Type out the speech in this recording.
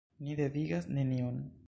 Ni devigas neniun.